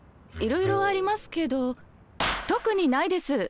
いろいろありますけど特にないです。